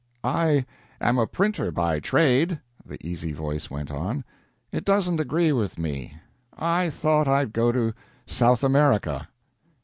"I am a printer by trade," the easy voice went on. "It doesn't agree with me. I thought I'd go to South America."